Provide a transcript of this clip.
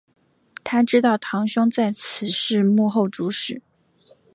她知道堂兄在此事幕后主使。